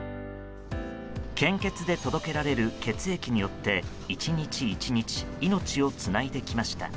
献血で届けられる血液によって１日１日命をつないできました。